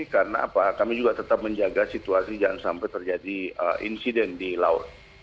karena kami juga tetap menjaga situasi jangan sampai terjadi insiden di laut